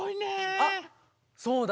あっそうだ！